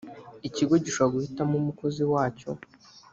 ikigo gishobora guhitamo umukozi wacyo